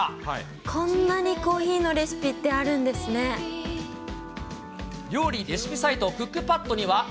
こんなにコーヒーのレシピっ料理レシピサイト、クックパ